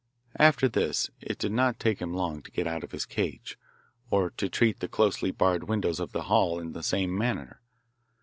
After this it did not take him long to get out of his cage, or to treat the closely barred windows of the hall in the same manner.